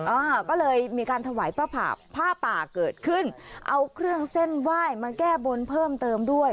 อ่าก็เลยมีการถวายผ้าป่าเกิดขึ้นเอาเครื่องเส้นไหว้มาแก้บนเพิ่มเติมด้วย